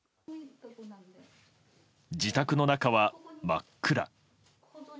自宅の中は真っ暗。